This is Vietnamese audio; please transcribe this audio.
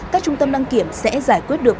các trung tâm đăng kiểm sẽ giải quyết được